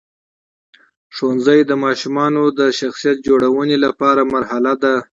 ښوونځی د ماشومانو د شخصیت جوړونې لومړۍ مرحله ده.